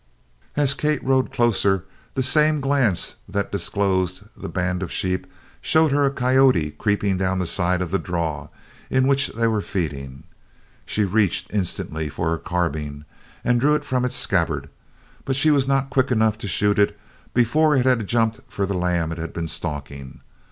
As Kate rode closer the same glance that disclosed the band of sheep showed her a coyote creeping down the side of a draw in which they were feeding. She reached instantly for her carbine and drew it from its scabbard, but she was not quick enough to shoot it before it had jumped for the lamb it had been stalking.